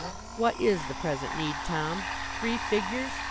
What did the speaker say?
'What is the present need, Tom? Three figures?